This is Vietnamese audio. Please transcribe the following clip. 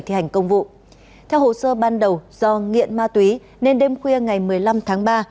theo hồ sơ ban đầu do nghiện ma túy nên đêm khuya ngày một mươi năm tháng ba